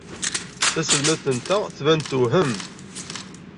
Taselmadt-nteɣ tban-d tewhem.